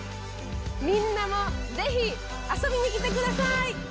みんなもぜひ遊びに来てください！